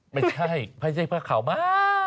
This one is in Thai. ไม่ใช่ไม่ใช่ผ้าขาวมั้ง